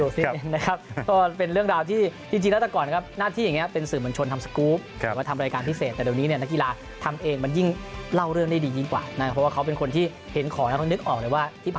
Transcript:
สหรัฐดิพิชัมไทยมีกันเยอะมากนะครับ